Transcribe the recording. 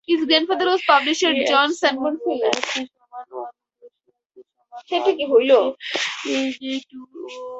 His grandfather was publisher John Sanborn Phillips.